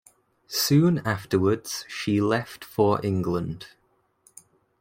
Soon afterwards she left for England.